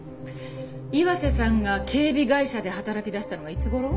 岩瀬さんが警備会社で働きだしたのはいつ頃？